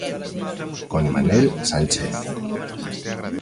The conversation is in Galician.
Con Manel Sánchez.